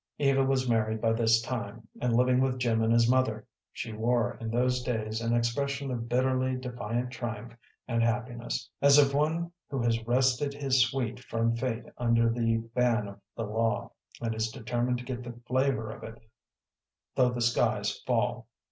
Eva was married by this time, and living with Jim and his mother. She wore in those days an expression of bitterly defiant triumph and happiness, as of one who has wrested his sweet from fate under the ban of the law, and is determined to get the flavor of it though the skies fall.